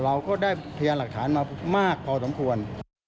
เราก็ได้พยานหลักฐานมามากพอสมควร